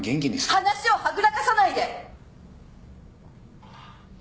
話をはぐらかさないで！